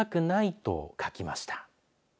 と書きました。